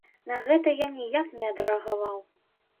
На гэта я ніяк не адрэагаваў.